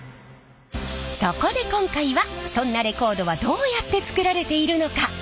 そこで今回はそんなレコードはどうやって作られているのか。